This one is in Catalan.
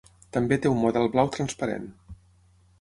També té un model blau transparent.